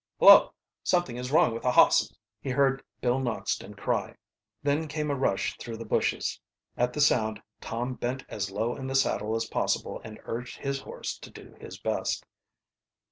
"Hullo, something is wrong with the hosses!" he beard Bill Noxton cry. Then came a rush through the bushes. At the sound Tom bent as low in the saddle as possible and urged his horse to do his best.